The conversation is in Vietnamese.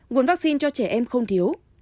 nguồn vaccine cho trẻ em không thiếu